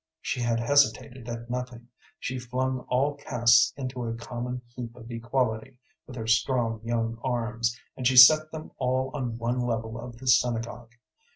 She had hesitated at nothing, she flung all castes into a common heap of equality with her strong young arms, and she set them all on one level of the synagogue.